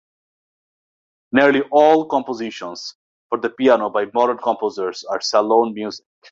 Nearly all compositions for the piano by modern composers are Salon Music.